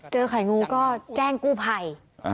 เจอไข่งูก็แจ้งกู้ไผ่